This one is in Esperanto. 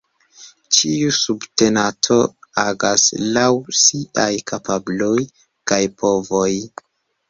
Ĉiu subtenato agas laŭ siaj kapabloj kaj povoj.